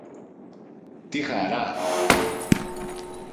Τι χαρά!